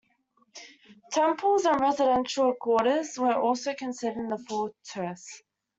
Temples and residential quarters were also constructed in the fortress.